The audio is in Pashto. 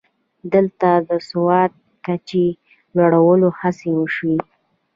دلته د سواد کچې لوړولو هڅې وشوې